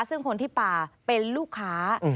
ซึ่งคนที่ป่าเป็นลูกค้า